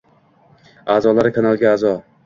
a'zolari: Kanalga a'zo